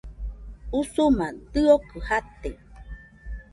Usuma dɨokɨ jate.